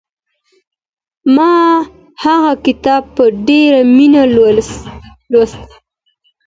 ما هغه کتاب په ډېره مینه لوست.